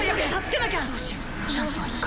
チャンスは１回。